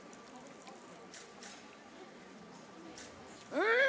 うん！